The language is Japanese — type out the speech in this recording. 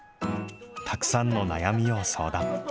たくさんの悩みを相談。